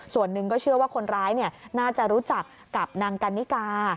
ส่วนหนึ่งก็เชื่อว่าคนร้ายน่าจะรู้จักกับนางกันนิกา